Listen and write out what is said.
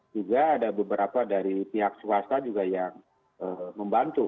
juga ada beberapa dari pihak swasta juga yang membantu